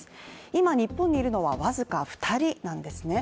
今、日本にいるのは僅か２人なんですね。